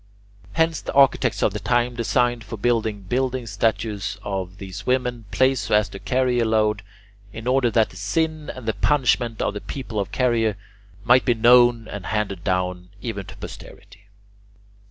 Hence, the architects of the time designed for public buildings statues of these women, placed so as to carry a load, in order that the sin and the punishment of the people of Caryae might be known and handed down even to posterity.